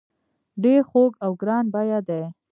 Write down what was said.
ډیر خوږ او ګران بیه دي.